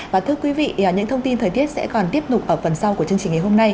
và thưa quý vị những thông tin thời tiết sẽ còn tiếp tục ở phần sau của chương trình ngày hôm nay